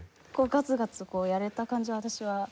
ガツガツやれた感じは私はありましたね。